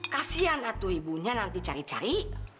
kasian atau ibunya nanti cari cari